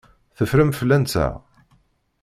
Teffrem fell-anteɣ.